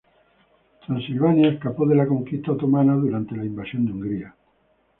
Transilvania escapó de la conquista otomana durante la invasión de Hungría.